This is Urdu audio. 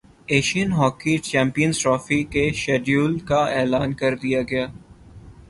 ایشین ہاکی چیمپئنز ٹرافی کے شیڈول کا اعلان کردیا گیا